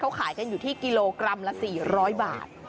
เขาขายกันอยู่ที่กิโลกรัมละ๔๐๐บาท